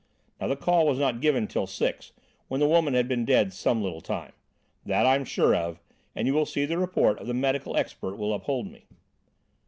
Now the call was not given till six, when the woman had been dead some little time. That I am sure of, and you will see the report of the medical expert will uphold me."